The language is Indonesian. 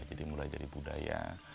jadi mulai dari budaya